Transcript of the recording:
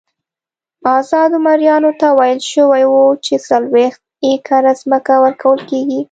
ازادو مریانو ته ویل شوي وو چې څلوېښت ایکره ځمکه ورکول کېږي.